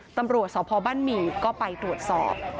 ตำรวจสพบ้านหมี่ก็ไปตรวจสอบ